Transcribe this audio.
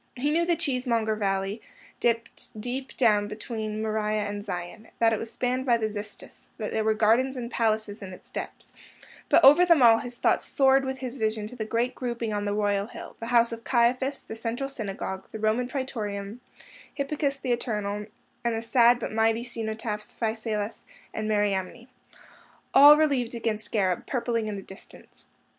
He knew the Cheesemonger's Valley dipped deep down between Moriah and Zion; that it was spanned by the Xystus; that there were gardens and palaces in its depths; but over them all his thoughts soared with his vision to the great grouping on the royal hill—the house of Caiaphas, the Central Synagogue, the Roman Praetorium, Hippicus the eternal, and the sad but mighty cenotaphs Phasaelus and Mariamne—all relieved against Gareb, purpling in the distance.